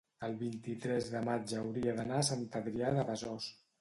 el vint-i-tres de maig hauria d'anar a Sant Adrià de Besòs.